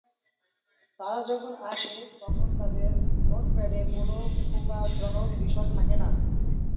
তারা যখন আসে, তখন তাদের নোটপ্যাডে কোনো উপকারজনক বিষয় থাকে না।